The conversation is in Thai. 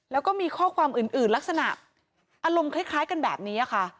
แล้วก็มีข้อความอื่นลักษณะอารมณ์คล้ายกันแบบนี้ค่ะ